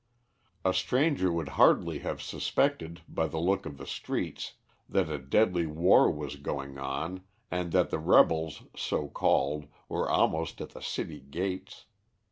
A stranger would hardly have suspected, by the look of the streets, that a deadly war was going on, and that the rebels so called were almost at the city gates.